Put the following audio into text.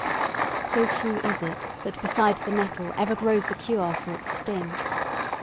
So true is it that beside the nettle ever grows the cure for its sting.